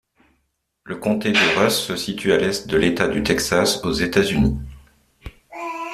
Le comté de Rusk se situe à l'est de l'État du Texas, aux États-Unis.